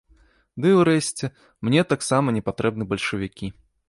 Ды, урэшце, мне таксама не патрэбны бальшавікі.